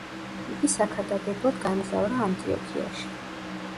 იგი საქადაგებლად გაემგზავრა ანტიოქიაში.